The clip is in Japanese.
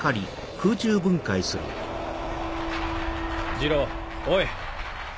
二郎おい。